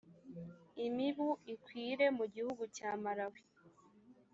imibu ikwire mu gihugu cya marawi